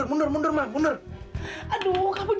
hei jangan naik kamu